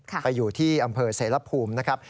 ไปอยู่ที่อำเภอเสรภูมินะครับ